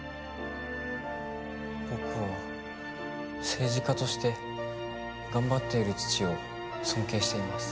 僕は政治家として頑張っている父を尊敬しています。